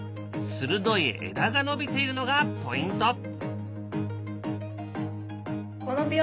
鋭い枝が伸びているのがポイント。